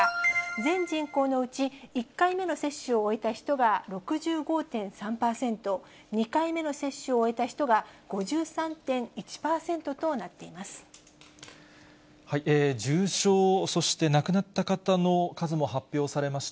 全人口のうち１回目の接種を終えた人が６５．３％、２回目の接種を終えた人が５３．１％となっています。